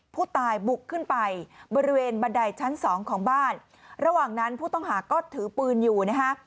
ผู้ตายบุกขึ้นไปบริเวณบันไดชั้นสองของบ้านระหว่างนั้นผู้ต้องหาก็ถือปืนอยู่นะฮะ